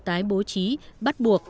tái bố trí bắt buộc